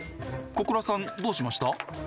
小倉さんどうしました？